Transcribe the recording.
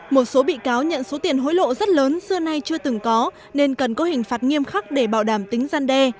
một số bị cáo nhận số tiền hối lộ rất lớn xưa nay chưa từng có nên cần có hình phạt nghiêm khắc để bảo đảm tính gian đe